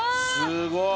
すごい。